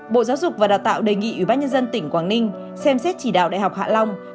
bộ giáo dục và đào tạo đề nghị ubnd tỉnh quảng ninh xem xét chỉ đạo đại học hạ long